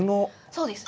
そうです。